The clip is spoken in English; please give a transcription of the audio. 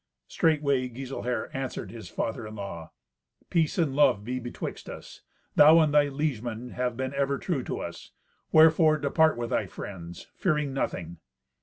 Straightway Giselher answered his father in law. "Peace and love be betwixt us. Thou and thy liegemen have been ever true to us, wherefore depart with thy friends, fearing nothing."